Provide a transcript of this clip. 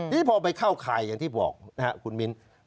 นี่พอไปเข้าไข่อย่างที่บอกคุณมินทร์